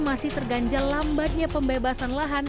masih terganjal lambatnya pembebasan lahan